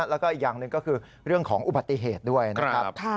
แล้วก็อีกอย่างหนึ่งก็คือเรื่องของอุบัติเหตุด้วยนะครับ